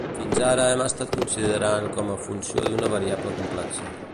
Fins ara hem estat considerant com a funció d'una variable complexa.